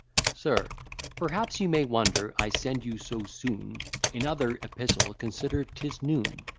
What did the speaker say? SIR, Perhaps you may wonder, I send you so soon Another epistle; consider 'tis noon.